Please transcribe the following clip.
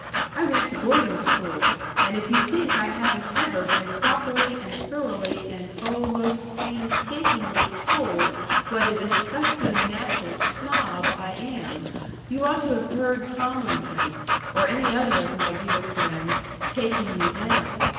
I went to boarding school, and if you think I haven't ever been properly and thoroughly, and oh, most painstakingly told what a disgusting, natural snob I am, you ought to have heard Tomlinson, or any other of my dear friends, taking me down.